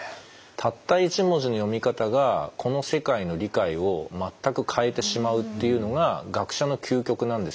たった一文字の読み方がこの世界の理解を全く変えてしまうっていうのが学者の究極なんですよね。